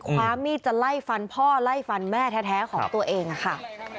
ความมีดจะไล่ฟันพ่อไล่ฟันแม่แท้ของตัวเองค่ะ